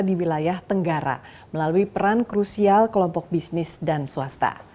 di wilayah tenggara melalui peran krusial kelompok bisnis dan swasta